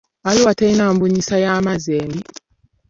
Arua terina mbunyisa y'amazzi embi.